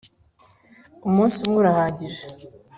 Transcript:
Umunsi umwe urahagije.